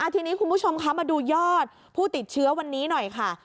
ทีนี้คุณผู้ชมคะมาดูยอดผู้ติดเชื้อวันนี้หน่อยค่ะ